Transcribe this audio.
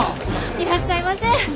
いらっしゃいませ。